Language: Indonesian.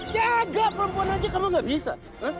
jega perempuan aja kamu nggak bisa